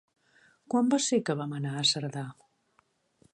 Quan va ser que vam anar a Cerdà?